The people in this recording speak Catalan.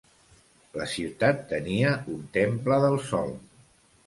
La ciutat tenia un temple del sol.